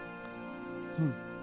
うん。